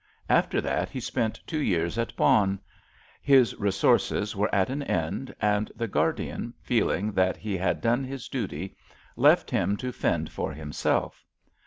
After that he spent two years at Bonn. His resources were at an end, and the guardian, feeling that he had done his duty, left him to fend for himself.